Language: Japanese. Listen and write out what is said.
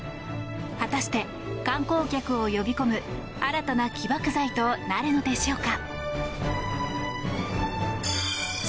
果たして、観光客を呼び込む新たな起爆剤となるのでしょうか。